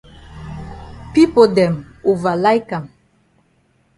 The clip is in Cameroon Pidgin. Pipo dem ova like am.